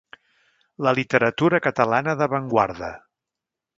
La literatura catalana d'avantguarda.